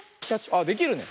あっできるね。